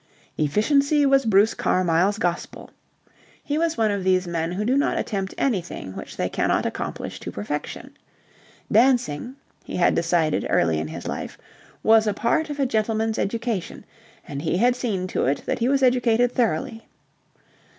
Efficiency was Bruce Carmyle's gospel. He was one of these men who do not attempt anything which they cannot accomplish to perfection. Dancing, he had decided early in his life, was a part of a gentleman's education, and he had seen to it that he was educated thoroughly.